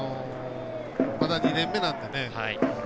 まだ２年目なのでね。